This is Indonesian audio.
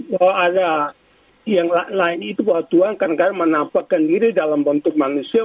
bahwa ada yang lain itu bahwa tuhan kadang kadang menampakkan diri dalam bentuk manusia